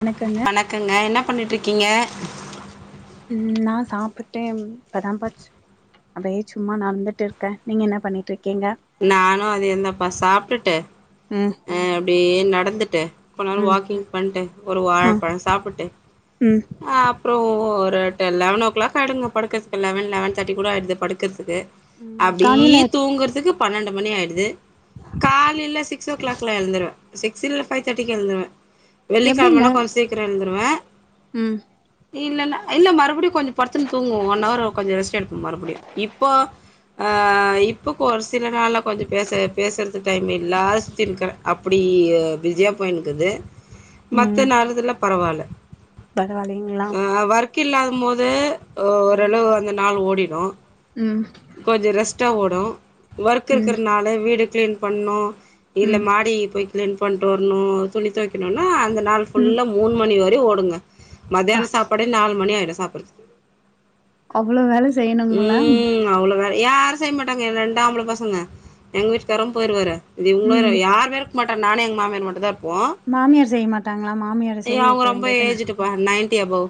வணக்கங்க வணக்கங்க என்ன பண்ணிட்டுருக்கீங்க ம் நா சாப்பிட்ட இப்பதா பச்சு அப்டியே சும்மா நடந்துட்டு இருக்க நீங்க என்ன பண்ணிட்ருக்கீங்க நானு அதே தான்பா சாப்ட்டுட்டு ம் அ அப்டியே நடந்துட்டு கொஞ்ச நேரோ ம் வாக்கிங் பண்ட்டு ஒரு ஆ வாழப்பழம் சாப்பிட்டு ம் அப்றோ ஒரு டெ லெவன் ஓ க்ளாக் ஆய்டுங்க படுக்கதுக்கு லெவன் லெவன் தேட்டி கூட ஆய்டுது படுக்கற்துக்கு ம் அப்டி காலையில தூங்குறதுக்கு பன்னெண்டு மணி ஆய்டுது காலைல சிக்ஸ் ஓ க்ளாக்லா எழுந்துருவ சிக்ஸ் இல்ல ஃபைவ் தேட்டிக்கு எழுந்துருவ எப்படிங்க வெள்ளிக்கெழமனா கொஞ்சோ சீக்கிரோ எழுந்துருவ ம் இல்லன்னா இல்ல மறுபடியு கொஞ்சோ படுத்துனு தூங்குவோ ஒன் ஹர் கொஞ்சோ ரெஸ்ட் எடுப்போ மறுபடியு இப்போ அ இப்போக்கு ஒரு சிலரால கொஞ்ச பேச பேசுறது டைம் இல்லாத சுத்தி இருக்க அப்படி பிஸியா போயினுக்குது மத்த நாலுதுல பரவால்ல பரவாலிங் அ ஒர்க் இல்லாதம் போது ம் ஓரளவு அந்த நாள் ஓடிடு ம் கொஞ்சோ ரெஸ்ட்டா ஓடு ஒர்க் ம் இருக்கிறனால வீடு க்ளீன் பண்ணு இல்ல ம் மாடி போய் க்ளீன் பண்ட்டு வர்ணு துணி தொவைக்கணுன்னா அந்த நாள் ம் ஃபுல்லா மூணு மணி வரையு ஓடுங்க ப்பா மத்தியான சாப்பாடே நாலு மணி ஆய்டு சாப்பற்துக்கு அவ்ளோ வேல செய்யணுங்களா ம் அவ்வள வேல யாரு செய்ய மாட்டாங்க எ ரெண்டாம்பள பசங்க எங்க வீட்டுக்காரு போய்ருவாரு இது இவங்கள ம் யார் பேரு இருக்க மாட்டா நானு எங்க மாமியாரு மட்டு தா இருப் மாமியார் செய்ய மாட்டாங்களா மாமியார செய்ய வெக்க வேண்டியதான வ நைன்ட்டி அபௌவ்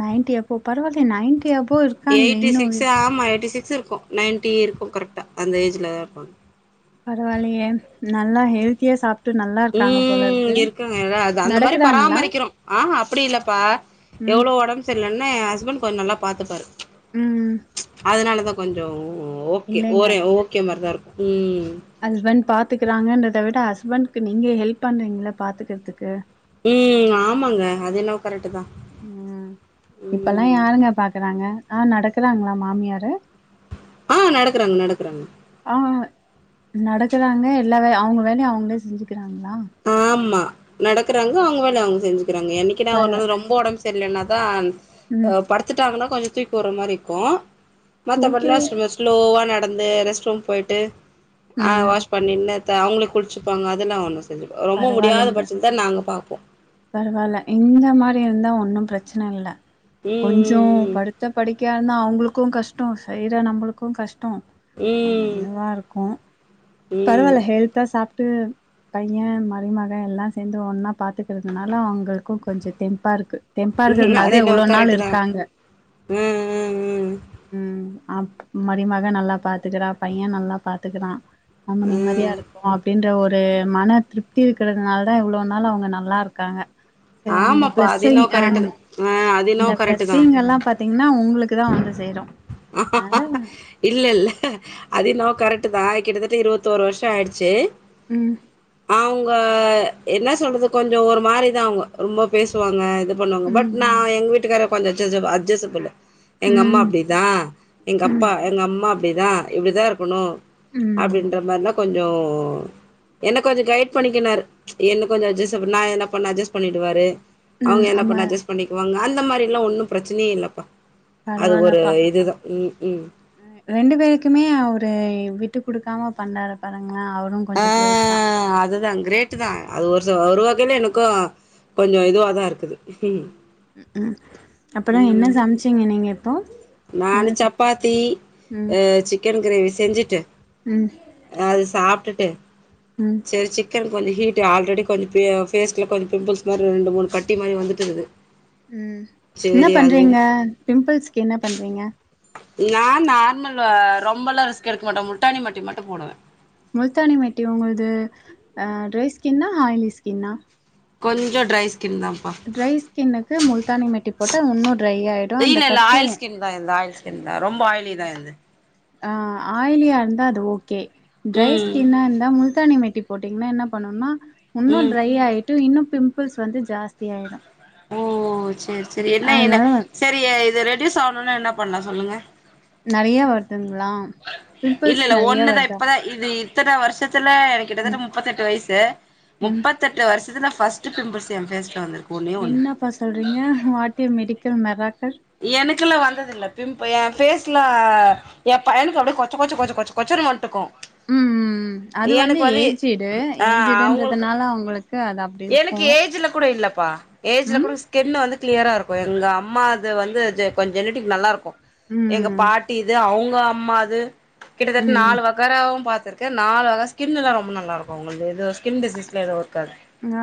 நைன்டி அபோ பரவால்லயே நைன்டி அபோ இரு எய்ட்டி சிக்ஸ் ஆமா எய்ட்டி சிக்ஸ் இருக்கு நைய்ன்ட்டி இருக்கு கரெக்டா அந்த ஏஜ்ல தா இருப்பாங்க பரவால்லயே நல்லா ஹெல்த்தியா சாப் ம் இருக்காங்க அதா அந்த மாரி நடக்குறாங்களா பராமரிக்கிறோ ஆ அப்டி இல்லப்பா ம் எவ்வளோ ஒடம்பு சரிலன்ன எ ஹஸ்பண்ட் கொஞ்சோ நல்லா பாத்துப்பாரு ம் அதனால தா கொஞ்சோ ஓகே இல்லைங்க ஓரே ஓகே மாரி தா இருக்கு ம் ஹஸ்பண்ட் பாத்துக்குறாங்கன்றத விட ஹஸ்பண்ட்கு நீங்க ஹெல்ப் பண்ணுவீங்கல்ல பாத்துக்கறதுக்கு ம் ஆமாங்க அது என்னவோ கரெட்டு தா அ இப்பெல்லா யாருங்க பாக்குறாங்க ஆ நடக்குறாங்களா மாமியாரு ஆ நடக்குறாங்க நடக்குறாங்க ஆ நடக்கறாங்க எல்லா வே அவங்க வேலைய அவங்களே செஞ்சுக்கிறாங்களா ஆமா நடக்குறாங்க அப்போ அவங்க வேலைய அவங்க செஞ்சுக்கிறாங்க என்னிக்குடா ஒரு நாள் பரவா ரொம் ரொம்ப ஒடம்பு சரியில்லனாதா ம் அ படுத்துட்டாங்கன்னா கொஞ்சோ தூக்கி விடுற மாரி இருக்கு தூக்கி மத்தபடிலா ஸ்வ ஸ்லோவா நடந்து ரெஸ்ட் ரூம் போய்ட்டு ஆ ம் வாஷ் பண்ணி என்னத்த அவுங்கள குளிச்சிப்பாங்க அதெல்லா ஒன்னு செஞ்சிப் ரொம்ப முடியாத பச்சத்து தா நாங்க பாப்போ பரவால்ல இந்த மாரி இருந்தா ஒன்னு பிரச்சன இல்ல கொஞ்சோ ம் படு த்த படுக்கியானா அவங்களுக்கு கஷ்ட்டோ செய்ற நம்ளுக்கு கஷ்டோ ம் ம் என்னவாருக்கு ம் பரவால்ல ஹெல்த்தா சாப்ட்டு பையே மருமக எல்லா சேந்து ஒன்னா பாத்து க்கறதுனால அவுங்களுக்கு கொஞ்சோ தெம்ப்பாருக்கு தெம்ப்பா ம் அது இருக்றனாலதா என்னவோ இவ்ளோ நாள் கரெக்ட்டு தா இருக்காங்க ம் ம் ம் ம் அப் மரிமக நல்லா பாத்துக்குறா பையே நல்லா பாத்துக்கிறா நம்ம ம் நிம்மதியாருக்கோ அப்டின்ற ஒரு மன திருப்தி இருக்றதுனால தா இவ்ளோ நாள் அவுங்க நல்லா ருக்காங்க சேரி அந்த ஆமாப்பா அது பிளஸை என்னவோ அந் கரெக்ட்டு தா ஆ அ இந்த பிளஸ்ஸிங்கெல்லா பாத்தீங்கன்னா உங்ளுக்கு தா வந்து சேரு அதனால இல்லெல்ல அது என்னவோ கரெக்ட்டு தா கிட்டத்தட்ட இருவத்தொரு வர்ஷோ ஆய்டுச்சு ம் அவுங்க என்ன சொல்றது கொஞ்சோ ஒரு மாரிதா அவுங்க ரொம்ப பேசுவாங்க இது பண்ணுவாங்க பட் ம் நா எங்க வீட்டுக்கார கொஞ்சோ அஜ்ஸ அஜ்ஸபுலு ம் எங்க அம்மா ம் அப்டி தா எங்க அப்பா எங்க அம்மா அப்டிதா இப்டிதா இருக்குனு ம் அப்டின்ற மார்லா கொ ஞ்சோ என்ன கொஞ்சோ கைட் பண்ணிக்கினாரு என்ன கொஞ்சோ அஜ்ஜஸபுல் நா என்ன பண்ணா அட்ஜஸ்ட் பண்ணிடுவாரு ம் அவுங்க என்ன ஆமா பண்ணா அட்ஜஸ்ட் பண்ணிகுவாங்க அந்த மாரில்லா ஒன்னு பிரச்சனயே இல்லப்பா த பரவால்ல இது தா ம் ம் ரெண்டு பேருக்குமே அவுரு விட்டு குடுக்காம பண்றாரு பாருங்ளே அவுரு ஆ அத‌ தா கிரே ட்டுதா அது ஒரு ச ஒரு வகைல எனக்கு கொஞ்சோ இதுவாதாருக்குது ம் அப்பறோ என்ன சமச்சீங்க நீங்க இப்போ என்ன நானு சமச்சீங்க சப்பாத்தி ம் ஆ சிக்கன் கிரேவி செஞ்சிட்டு ம் அது சாப்ட்டுட்டு ம் சேர் சி க்கன் கோழி ஹீட்டு ஆல்ரெடி கொஞ்ச பே ஃபேஸ்ல கொஞ் பிம்பிள்ஸ் மாரி ஒரு ரெண்டு மூனு கட் ட்டி மாரி வந்துட்டுக்குது ம் என்ன சேரி அதுவு பண்றீங்க பிம்பிள்ஸ்க்கு என்ன பண்றீங்க நா நார்மலு ரொம்பலா ரிஸ்க் எடுக்க மாட்டே முல்டானி மட்டி மட்டு போடுவே முல்தானி மெட்டி ஒங்கள்து ஆ ட்ரை ஸ்கின்னா ஆய்லி ஸ்கின்னா கொஞ்சோ ட்ரை ஸ்கின் தா ட்ரை ஸ்கின்னுக்கு முல்தானி மெட்டி போட்டா உன்னு ட்ரை ஆய்டு அந்த இல்ல இல்ல ஆயில் கட்டியு ஸ்கின் தா என்து ஆய்ல் ஸ்கின் தா ரொம்ப ஆய்லி தா இது ஆ ஆய்லியா இர்ந்தா அது ஓகே ட்ரை ம் ஸ்கின்னா இந்தா முல் தானி மெட்டி போட்டீங்கன்னா என்ன பண்ணுனா உன்னு ம் ட்ரை ஆய் ட்டு இன்னு பிம்பிள்ஸ் வந்து ஜாஸ்தியாயிடு ஓ சேர் சேரி என்ன என்ன செரி இது ரெடியூஸ் ஆவ்னுனா என்ன பண்லா சொல்லுங்க நறையா வருதுங்ளா இல்ல பிம்பிள்ஸ் இல்ல நறையா ஒண்ணுதா வர்தா இப்பதா இது இத்தன வர்ஷத்துல எனக்கு கிட்டத்தட்ட ம் முப்பத்தெட்டு வய்சு ம் முப்பத் தெட்டு வர்ஷத்துல ஃபர்ஸ்ட்டு பிம்பிள்ஸ் எ ஃபேஸ்ல வந்துருக் என்னப்பா சொல்றீங்க வாட்டிய மெடிக்கல் மெராக்கல் எனக்குல்லா வந்ததில்ல பிம்ப எ ஃபேஸ்லா எ பையனுக்கு அப்டியே கொச்சகொச்சகொச்சகொச்சகொச்சன்னு வன்ட்டுக்கு ம் ம் ம். அது எனக்கு வந்து ஏஜ்டு ஆ அவுங்குள்க்கு ஏஜ்டுன்றதுனால அவங்களுக்கு அது அப்டி இருக்கு எனக்கு ஏஜூலப் கூட இல்லப்பா ஏஜ்ல ம் கூட ஸ்கின்னு வந்து கிளியரா இருக்கு எங்க அம்மாது வந்து ஜெ கொஞ் ஜெனிட்டிக் நல்லாருக்கு ம் எங்க பாட்டி இது அவுங்க அம்மாது கிட்டதட்ட ம் நாலு வக் வகராவும் பாத்துருக்கே நாலு வக ஸ்கின்னுலா ரொம்ப நல்லாருக்கு அவுங்குள்து எது ஸ்கின் டிசீஸ்லா எது இருக்காது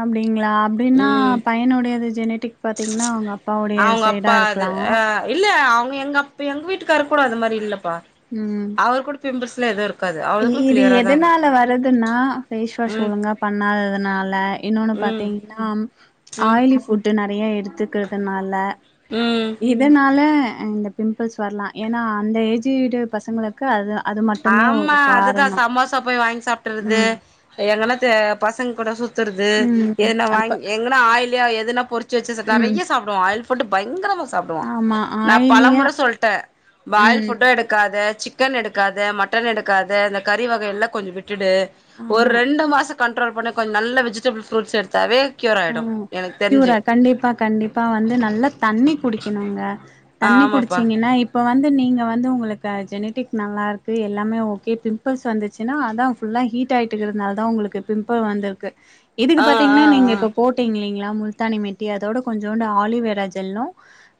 அப்டிங்ளா அப்டினா ம் பையனுடையது ஜெனிடிக் பாத்தீங்னா அவுங்கப் அப்பாவுடைய அவங்க சைடா அப்பா அது இருக்லாம் அ இல்ல அவுங்க எங்கப் இப்ப எங்க வீட்டுகாரு கூட அது மாரி இல்லப்பா ம் அவர் கூட பிம்பிள்ஸ்லா எது இருக் இ இது எதுனால வருதுனா ஃபேஸ் வாஷ் ம் ஒழுங்கா பண்ணாததனால இன்னோனு ம் பாத்திங்னாம் ம் ஆயிலி ஃபுட்டு நெறைய எடுத்துக்கிறதனால ம் இதனால இந்த பிம்பிள்ஸ் வர்லா எனா அந்த ஏஜுடு பசங்களப் க்கு அது அது மட்டுமே ஒரு அ அதுதா காரணோ சமோசா போய் வாங்கி சாப்ட்டுர்றது ம் எங்கனாச்சு பசங்க கூட சுத் த்தறது ம் எனா வாய்ங் அப்ப எங்கனா ஆயிலியா எதுனா பொறிச்சு வச்சுச் ம் நெறைய சாப் டுவா ஆயில் ஃபுட்டு பயங்கரமா சாப்டுவா ஆமா நாப் ஆயிலியா பலமுற சொல்ட்டே பாயில் ம் ஃபுட்ட எடுக் க்காத சிக்கன் எடுக்காத மட்டன் எடுக்காத இந்த கறி வகை எல்லா கொஞ்சோ விட்டுடு ஒரு ஆமா ரெண்டு மாசோ கண்ட்ரோல் பண்ணு கொஞ்சோ நல்ல வெஜிடெபிள் ஃப்ரூட்ஸ் எடுத்தாவே க்யூர் அ ஆயிடு எனக்கு தெரிஞ்சு கியூரா கண்டிப்பா கண்டிப்பா வந்து நல்லாத் தண்ணி குடிக்கிணுங்க ஆ தண்ணி ஆமாப்பா குடிச்சீங்கன்னா இப் இப்ப வந்து நீங்க வந்து உங்குளுக்கு ஜெனிட்டிக் நல்லாருக்கு எல்லாமே ஓகே பிம்பிள்ஸ் வந்துச் சினா அதா ஃபுல்லா ஹீட் ஆயிட்டு இருக்கனாலதா உங்குளுக்கு பிம்புள் வந்துருக்கு இதுக்கு ஆ ஆ பாத்தீங்னா நீங்க ஆ இப்பப் போட்டிங்ளீங்ளா முல்தானி மெட்டி அதோட கொஞ்சோண்டு ஆலிவேரா ஜெல்லு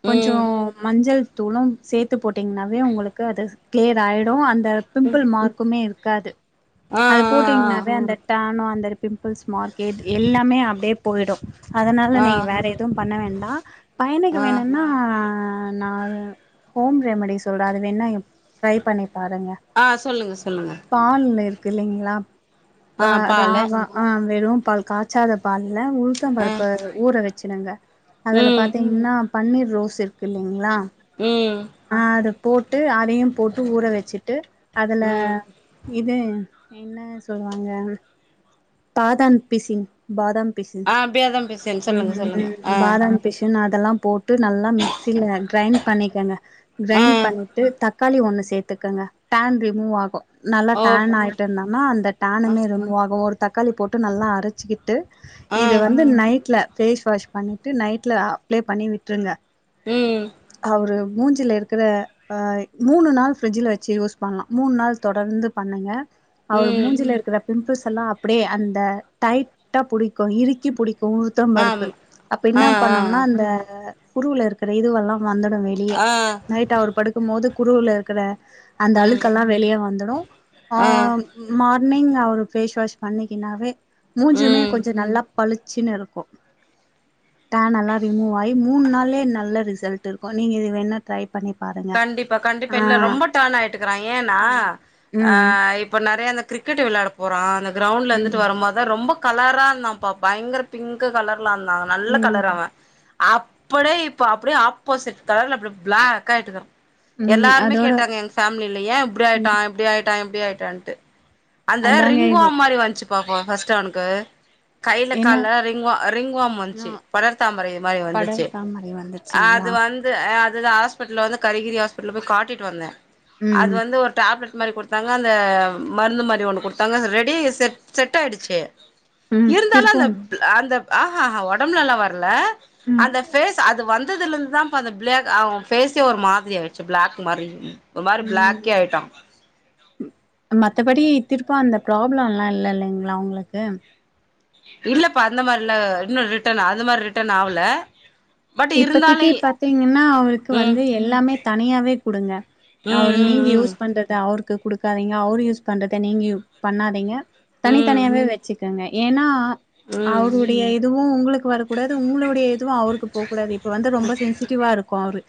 கொஞ்சோ ம் மஞ்சள் தூளும் சேத்து போட்டீங்னாவே உங்களுக்கு அது கிளியர் ஆயிடு அந்த பிம்புள் மார்க்குமே இருக்காது ஆ அதப் போட்டிங்னாவே ஆ அந்தட் டானு அந்தரு பிம்புள்ஸ் மார்க்கே எல்லாமே அப்டியே போயிடு அதனால ஆ நீ வேற எ தும் பண்ண வேண்டா பையனுக்கு ஆ ஆ வேணுன்னா நா அது ஹோம் ரெமிடி சொல்றே அது வேண்ணா இப் ட்ரை பண்ணி பாருங்க ஆ சொல்லுங்க சொல்லுங்க பால்ல இருக்கு இல்லைங்ளா ப ஆ பாலு ராவா ஆம் வெறும் பால் காச்சாத பால் ல உளுத்தம் ஆ பருப்பு ஊற வச்சுடுங்க அதுல ம் பாத்தீங் ன்னா பன்னீர் ரோஸ் இருக்கு இல்லைங்ளா ம் ஆ அதப் போட்டு அதையும் போட்டு ஊற வச்சிட்டு அதல ம் இது என்ன சொல்லுவாங்க பாதான் பிசின் பாதாம் பிசின் ஆ அப்டியாதா பேசுறேன் ம் சொல்லுங்க ம் சொல்லுங்க ம் ஆ பாதாம் பிசின் அதலாம் போட்டு நல்லா மிக்சில க்ரைன் பண்ணிக்கங்க ஆ க்ரைன் பண்ணிட்டு தக் க்காளி ஒன்னு சேத்துக்கங்க டேன் ரிமூவ் ஆகு நல்லா ஓக் டேன் ஆயிட் டுந்தனா அந்த ஆ டேனுமே ரிமூவாகு ஒரு தக்காளி போட்டு நல்லா அரச்சிகிட்டு ஆ இத வந்து நைட்ல ஃபேஸ் வாஷ் பண்ணிட்டு நைட்ல அப்ளே பண்ணி விட்ருங்க ம் அவுரு மூஞ்சில இருக்குற அ மூணு நாள் ஃப்ரிஜில வச்சு யூஸ் பண்லா மூணு நாள் தொடர்ந்து பண்ணுங்க அவரு ம் மூஞ்சில இருக்குற பிம்பிள்ஸ் எல்லா அப்டியே அந்த டைட்டா புடிக்கு இறுக்கி புடிக்கு த்தம் ஆம் பருப்பு அப்ப இன்ன ஆ ஆ பண்ணுனா இந்த குருவுல இருக்கிற இதுவெல்லா வந்துடு வெ ளியே ஆ நைட் அவரு படுக்கும்மோது குருவுல இருக்குற அந்த ம் அழுக்கெல்லா வெளிய வந்துடு ஆ ம் மார்னிங் அவரு ஃபேஸ்வாஷ் பண்ணிகின்னாவே மூஞ்சுமே ம் கொஞ்ச நல்லா பளிச்சினு இருக்கு டேன் எல்லா ரிமூவாயி மூணு நாள்ளே நல்ல ரிசல்ட் இருக்கு நீங்க இது வேணா ட்ரை பண்ணி பாருங்க கண்டிப்பா கண்டிப்பா ஆ இல்ல ரொம்போ டேன் ஆய்ட்டுக்குற ஏனா ஆ ம் இப்ப நெறையா அந்த கிரிக்கெட் விளாட போறான் அந்த க்ரவ்ண்ல ம் இருந்துட்டு வருமோதுதா ரொம்போ கலரா இருந்தாபா பயங்கர பிங்க்கு கலர்ல வந்தான் நல்ல கலரு ம் அவன் அப்புடே இப்போ அப்டியே ஆப்போசிட் கலர்ல அப்பு பிளாக்கா ஆய்ட்ற்றுறா ம் எல்லாருமே அதோட கேட்டாங்க எங் ஃபேமில ஏன் இப்டி ம் ஆய்ட்டான் இப்டி ஆய்ட்டான்-இப்டி ஆய்ட்டான்ட்டு அந்த அதாங்க இது ரிங்வாம் மாரி வன்ச்சு பாப்பா ஃபஸ்ட்டு அவனுக்கு கைல என்ன கால்ல ரிங்வா ரிங்வாம் ஆ வந்ச்சு படர் தாமரை மாரி வந்துச்சு வந்துச்சிங்ளா த அதுதா ஆஸ்பிட்டுல வந்து கரிகிரி ஆஸ்பிட்டல போய் காட்டிட் வந்தேன் அது ம் வந்து ஒரு டேப்லட் மாரி குட்த் தாங்க அந்த மருந்து மாரி ஒன்னு குடுத்தாங்க அது ரெடி செட் செட் ஆய்டுச்சு ம் இருந்தாலு அந்த திருப்பும் ப்ளா அந்த ஆ ஹா ஹா ஒடம்புலலா வர்ல ம் அந்த ஃபேஸ் அது வந் ததுல இர்ந்தான்ப்பா அந்த பிலேக் அவன் ஃபேஸே ஒரு மாதிரி ஆய்ட்ச்சு பிளாக் மாரி ஒரு மாரி ம் பிளாக்கியா ஆய்ட்டான் மத்தபடி திருக்கா அந்த ப்ராப்ளம்லா இல்ல இல்லைங்ளா அவுங்ளுக்கு இல்லப்பா அந்த மாரிலா இன்னு ரிட்டன் அந்த மாரி ரிட்டர்ன் ஆவுல இப்பதிக்கி பாத்தீங்னா அவருக்கு ம் வந்து எல்லாமே தனியாவே குடுங்க ம் அவரு நீங்க ம் யூஸ் பண்றத அவரு க்கு குடுக்காதீங்க அவரு யூஸ் பண்றத நீங்யூ பண்ணாதீங்க ம் தனித்தனியாவே வச்சுக் குங்க ஏனா ம் ம் அவருடைய இதுவு உங்களுக்கு வரக்கூடாது உங்களுடைய இதுவு அவருக்கு போ இப்ப வந்து ரொம்ப சென்சிடிவா இருக்கு அவரு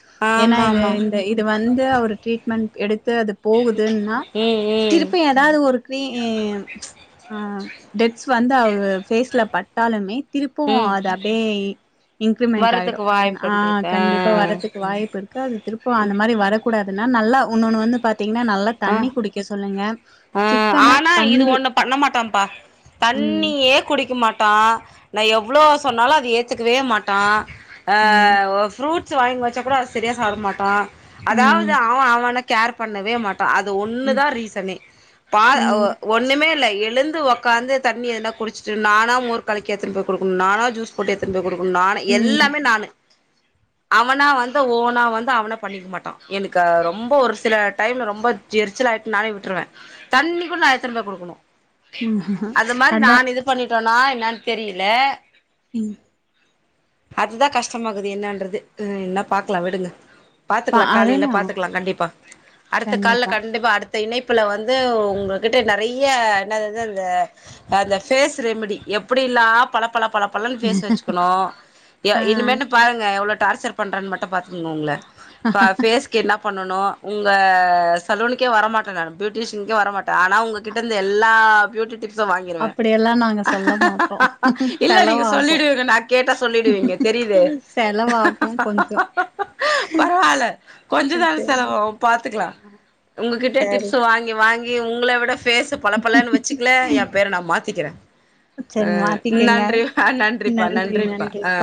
ஏனா ஆமா இது ஆமா இந் த இது வந்து அவர் ட்ரீட்மெண்ட் எடுத்து அது போகுதுனா ம் ம் திருப்பி எ தாது ஒரு க்ரீம் டெட்ஸ் வந்து அவரு பேஸ்ல பட்டாலுமே திருப்புவு ம் அது அப்டியே இன்க்ரிமெண்ட் ஆய்டு வர்றதுக்கு அதுனா ஆ வாய்ப்புன்ருக்கு கண்டிப்பா ஆ வரத்துக்கு வாய்ப்பிருக்கு அது திருப்பு அந்த மாரி வர கூடாதுனா நல்லா உன்னொன்னு வந்து பாத்தீங்குனா நல்லா ஆ தண்ணி குடிக்க சொல்லுங்க ஆ சிக்கன ஆனா இது கண்டி ஒன்னு பண்ணமாட்டான்ப்பா ம் தண்ணியே குடிக்கு மாட்டான் நான் எவ்ளோ சொன்னாலு அது ஏத்துக்குவே மாட்டான் ஆ ம் ஒ ஃப்ரூ ட்ஸ் வாங்கி வச்சா கூட அது சரியா சாப்ட மாட்டான் அதாவது ம் அவ அவன கேர் பண்ணவே மாட் டான் அது ம் ஒன்னுதா ரீசனே பா அ ஒ ம் ஒன்னுமே இல்ல எழுந்து ஒக்காந்து தண்ணி எதுனா குடிச்சுட்டு நானா மோர் கலக்கி எட்த்துன்னு போய் குடுக்குணு நானா ஜூஸ் போட்டு எட்த்துன்னு போய் குடுக்குணு நானே ம் எல்லாமே நானு அவனா வந்து ஓனா வந்து அவனா பண்ணிக்கு மாட்டான் எனக்கு ரொம்போ ஒரு சில டைம்ல ரொம்ப சு எரிச்சலாய்ட்டு நானே விட்ருவே தண்ணிகூட நா எட்த்துட்டு போய் குடுக்குணு ம் அந்த மாரி அதா நான் இது பண்ணிட்டோனா என்னன் தெரில ம் அதுதா கஷ்டமாக்குது என்னன்றது ம் இன்ன பாக்லா விடுங்க பா பாத்துக்கலா காலைல அதுதா பாத்துக்கலா கண்டிப்பா அடுத்த கால்ல கண்டிப்பா அடுத்த இணைப் ப்புல வந்து உங்ககிட்ட நிறைய என்னது அது அந்த அந்த பேஸ் ரெமிடி எப்புடில்லா பலப் பல பல பல லன்னு ஃபேஸ் வெச்சுக்கணு ஆ இனிமேட்டு பாருங்க எவ்ளோ டார்ச்சர் பண்றனு மட்டு பாரு உங் உங்ள ஃபேஸ்க்கு என்ன பண்ணனு உங்க சலுனுக்கே வரமாட்ட நானு பியூட்டிஷினுக்கே வர மாட்ட ஆன உங்க கிட்ட இருந்த எல்லா பியூட்டி டிப் சு வாங்கிருவே அப்படியெல்லா நாங்க சொல்ல மாட்டோ இல்ல நீங்க செலவாகு சொல்லிடுவீங்க நா கேட்டா சொல்லிடுவீங்க தெரிதே செலவாகு கொஞ்சோ பரவால்ல கொஞ்சோ தானே சரி செலவாவு பாத்துக்லா உங்ககிட்ட சரி டிப்ஸ் வாங்கி வாங்கி உங்கள விட ஃபேஸ் பல பலன்னு வெச்சிக்கல என் பேர நா மாத்திக்கிற அ சரி மாத்திக்கங்க நன்றி நன்றிப்பா நன்றிப்பா ஆ